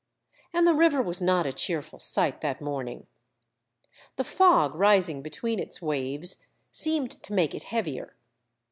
And the river was not a cheerful sight that morn ing. The fog rising between its waves seemed to make it heavier.